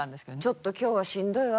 「ちょっと今日はしんどいわ。